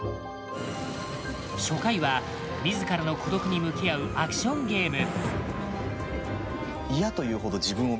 初回はみずからの孤独に向き合うアクションゲーム。